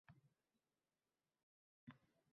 Hech kim hech qachon koʻrmagan